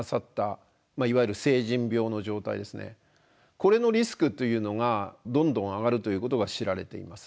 これのリスクというのがどんどん上がるということが知られています。